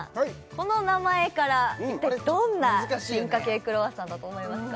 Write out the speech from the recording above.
この名前から一体どんな進化系クロワッサンだと思いますか？